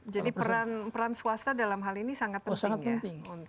jadi peran swasta dalam hal ini sangat penting ya